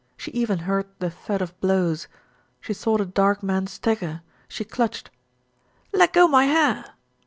She even heard the thud of blows. She saw the dark man stagger she clutched "Leggo my hair!"